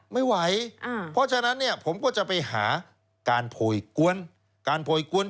ไม่ไหวเพราะฉะนั้นเนี่ยผมก็จะไปหาการโผยกว้น